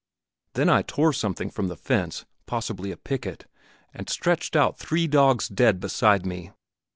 Then I tore something from the fence, possibly a picket, and stretched out three dogs dead beside me!